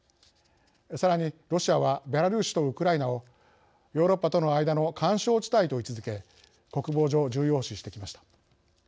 さらにロシアはベラルーシとウクライナをヨーロッパとの間の緩衝地帯と位置づけ国防上、重要視してきました。